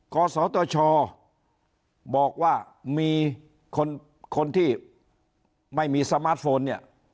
กสทชบอกว่ามีคนที่ไม่มีสมาร์ทโฟน